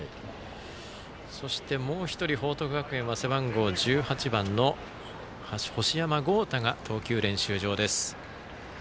そして、もう一人報徳学園は背番号１８番の星山豪汰が投球練習場です。